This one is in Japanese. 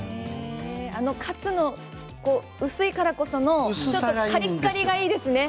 あの薄いカツだからこそのカリカリがいいですね。